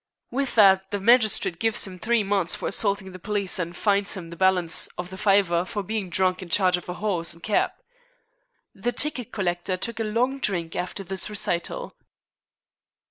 With that the magistrate gives 'im three months for assaulting the police, and fines 'im the balance of the fiver for bein' drunk in charge of a 'oss and keb." The ticket collector took a long drink after this recital.